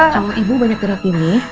sama ibu banyak gerak ini